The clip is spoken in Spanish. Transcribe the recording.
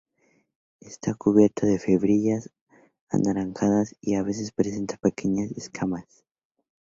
Está cubierto de fibrillas anaranjadas y a veces presenta pequeñas escamas.